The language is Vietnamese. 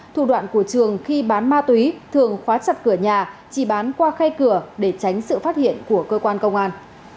thủ đoạn của trường khi bán ma túy thường khóa chặt cửa nhà chỉ bán qua khe cửa để tránh sự phát hiện của cơ quan công an